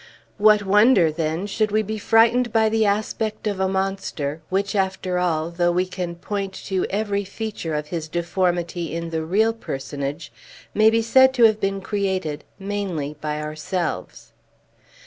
What wonder, then, should we be frightened by the aspect of a monster, which, after all, though we can point to every feature of his deformity in the real personage, may be said to have been created mainly by ourselves.